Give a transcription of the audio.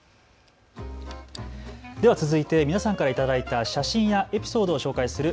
では続いて皆さんから頂いた写真やエピソードを紹介する＃